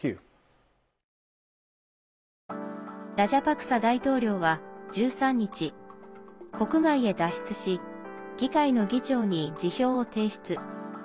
ラジャパクサ大統領は１３日国外へ脱出し議会の議長に辞表を提出。